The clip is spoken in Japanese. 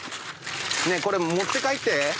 ねえこれ持って帰って。